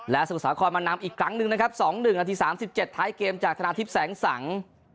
และสมุทรสาครมานำอีกครั้งหนึ่งนะครับ๒๑นาที๓๗ท้ายเกมจากชนะทิพย์แสงสัง